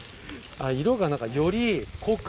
色が何かより濃く。